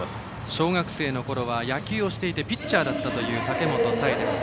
小学生のころは野球をしていてピッチャーだったという武本紗栄です。